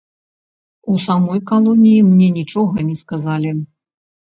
У самой калоніі мне нічога не сказалі.